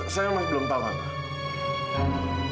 saya masih belum tahu apa